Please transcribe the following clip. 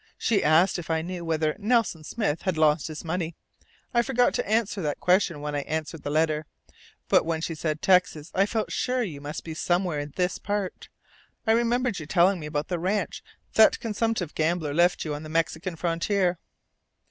She asked if I knew whether 'Nelson Smith' had lost his money. I forgot to answer that question when I answered the letter. But when she said 'Texas' I felt sure you must be somewhere in this part. I remembered your telling me about the ranch that consumptive gambler left to you on the Mexican frontier."